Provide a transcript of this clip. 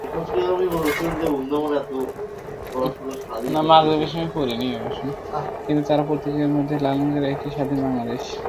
কিন্তু তারা প্রত্যেকে মনের মধ্যে লালন করে একটি করে স্বাধীন বাংলাদেশ।